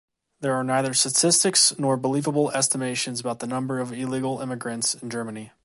There are neither statistics nor believable estimations about the number of illegal immigrants in Germany.